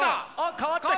変わった！